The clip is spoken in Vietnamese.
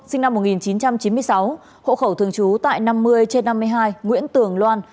sinh năm một nghìn chín trăm chín mươi sáu hộ khẩu thường trú tại năm mươi trên năm mươi hai nguyễn tường loan